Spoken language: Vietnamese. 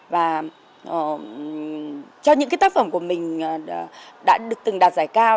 và cho những cái tác phẩm của mình đã được từng đạt giải cao